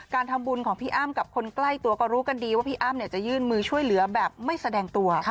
การทำบุญของพี่อ้ำกับคนใกล้ตัวก็รู้กันดีว่าพี่อ้ำจะยื่นมือช่วยเหลือแบบไม่แสดงตัว